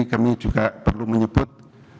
kami juga perlu menyebut